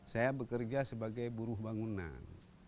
saya bekerja sebagai buruh bangunan